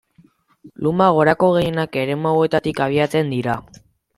Luma gorako gehienak eremu hauetatik abiatzen dira.